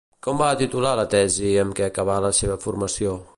Com va titular la tesi amb què acabà la seva formació?